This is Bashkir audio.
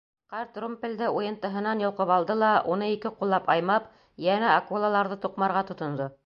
Ҡарт румпелде уйынтыһынан йолҡоп алды ла, уны ике ҡуллап аймап, йәнә акулаларҙы туҡмарға тотондо.